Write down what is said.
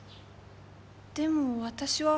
でも私は。